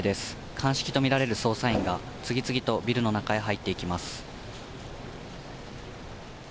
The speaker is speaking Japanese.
鑑識とみられる捜査員が、次々とビルの中へ入っていきます。